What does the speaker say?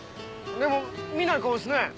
でも見ない顔ですね。